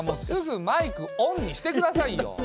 すぐマイクオンにしてくださいよ。